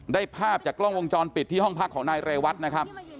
ภาพจากกล้องวงจรปิดที่ห้องพักของนายเรวัตนะครับ